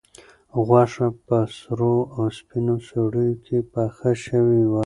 غوښه په سرو او سپینو غوړیو کې پخه شوې وه.